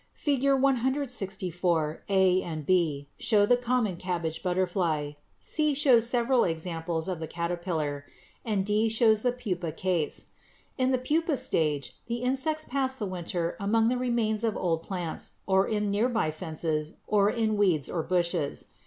In Fig. 164 a and b show the common cabbage butterfly, c shows several examples of the caterpillar, and d shows the pupa case. In the pupa stage the insects pass the winter among the remains of old plants or in near by fences or in weeds or bushes.